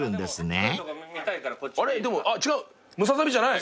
あれ違うムササビじゃない。